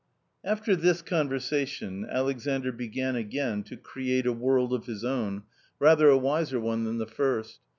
After this conversation Alexandr began again to create a world of his own — rather a wiser one than the first.